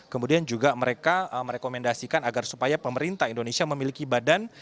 kemudian juga mereka merekomendasikan agar supaya pemerintah indonesia memiliki badan